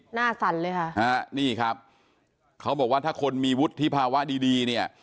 สั่นเลยค่ะฮะนี่ครับเขาบอกว่าถ้าคนมีวุฒิภาวะดีดีเนี่ย